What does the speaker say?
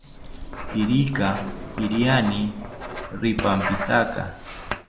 Irika iriani rirapintaka